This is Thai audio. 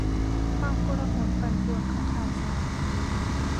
ความโกลาหลปั่นป่วนของข่าวสาร